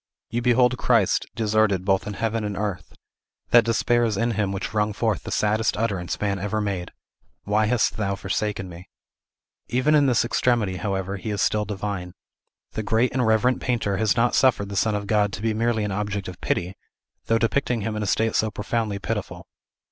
You behold Christ deserted both in heaven and earth; that despair is in him which wrung forth the saddest utterance man ever made, "Why hast Thou forsaken me?" Even in this extremity, however, he is still divine. The great and reverent painter has not suffered the Son of God to be merely an object of pity, though depicting him in a state so profoundly pitiful.